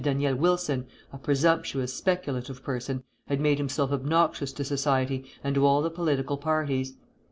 Daniel Wilson, a presumptuous, speculative person, had made himself obnoxious to society and to all the political parties.